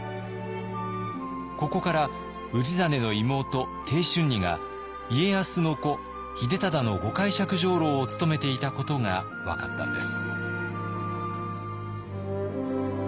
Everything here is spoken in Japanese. ここから氏真の妹貞春尼が家康の子秀忠の御介錯上を務めていたことが分かったんです。